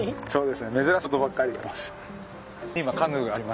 そうです。